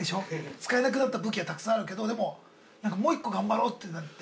使えなくなった武器はたくさんあるけどでも、なんかもう一個頑張ろうってなって。